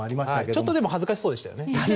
ちょっとでも恥ずかしそうでしたよね。